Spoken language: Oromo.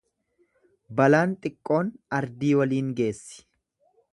Balaan xiqqoon ardii waliin geessi.